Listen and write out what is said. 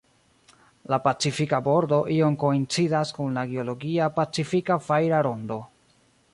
La "Pacifika Bordo" iom koincidas kun la geologia Pacifika fajra rondo.